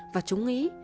và chúng nghĩ